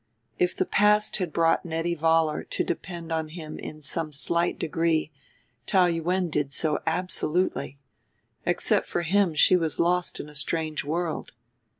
If the past had brought Nettie Vollar to depend on him in some slight degree Taou Yuen did so absolutely: except for him she was lost in a strange world.